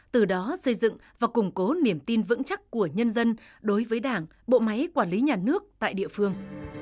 từ đó xây dựng và củng cố niềm tin vững chắc của nhân dân đối với đảng bộ máy quản lý nhà nước tại địa phương